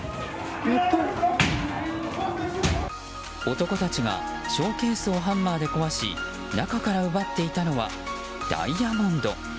男たちがショーケースをハンマーで壊し中から奪っていたのはダイヤモンド。